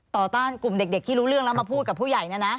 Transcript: ต้านกลุ่มเด็กที่รู้เรื่องแล้วมาพูดกับผู้ใหญ่เนี่ยนะ